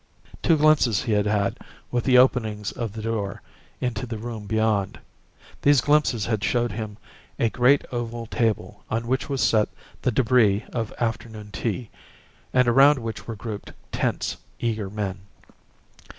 Two glimpses he had had, with the openings of the door, into the room beyond. These glimpses had showed him a great oval table on which was set the debris of afternoon tea, and around which were grouped tense, eager men.